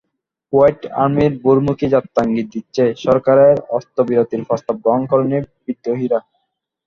White আর্মির বোরমুখী যাত্রা ইঙ্গিত দিচ্ছে, সরকারের অস্ত্রবিরতির প্রস্তাব গ্রহণ করেনি বিদ্রোহীরা।